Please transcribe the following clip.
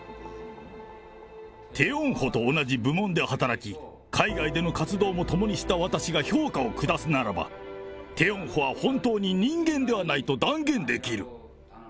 テ・ヨンホと同じ部門で働き、海外での活動も共にした私が評価を下すならば、テ・ヨンホは本当に人間ではないと断言できる。